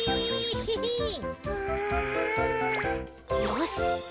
よし。